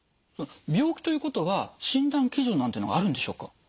病気ということは診断基準なんてのがあるんでしょうか？